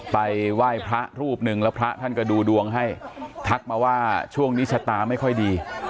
ไปไหว้พระรูปหนึ่งแล้วพระท่านก็ดูดวงให้ทักมาว่าช่วงนี้ชะตาไม่ค่อยดี